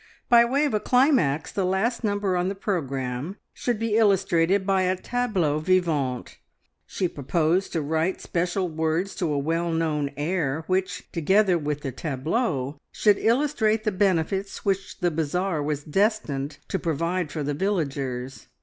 By way of a climax the last number on the programme should be illustrated by a tableau vivant. She proposed to write special words to a well known air which, together with the tableau, should illustrate the benefits which the bazaar was destined to provide for the villagers.